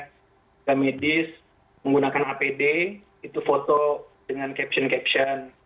tenaga medis menggunakan apd itu foto dengan caption caption